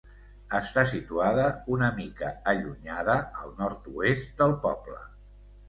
Està situada una mica allunyada al nord-oest del poble.